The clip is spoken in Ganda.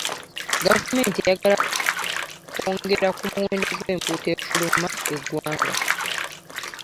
Gavumenti eyagala kongera ku muwendo gw'empuuta efuluma e ggwanga.